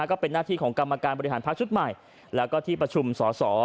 ก็เป็นหน้าที่ของกรรมการบริหารพักชุดใหม่แล้วก็ที่ประชุมสอสอ